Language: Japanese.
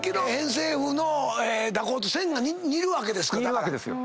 似るわけですよ。